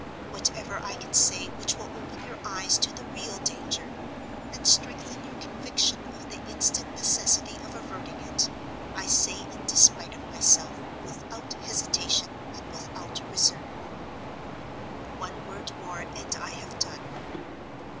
Whatever I can say which will open your eyes to the real danger, and strengthen your conviction of the instant necessity of averting it, I say in despite of myself, without hesitation and without reserve. "One word more, and I have done.